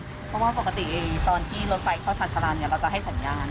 เพราะว่าปกติตอนที่รถไฟเข้าชาญชาลานเราจะให้สัญญาณ